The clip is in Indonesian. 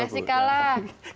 masih kalah yaa